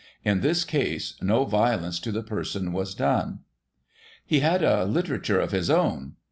In this case no violence to the person was done. He had a literature of his own.